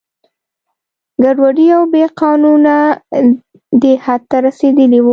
ګډوډي او بې قانونه دې حد ته رسېدلي وو.